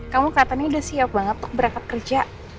kamu katanya udah siap banget untuk berangkat kerja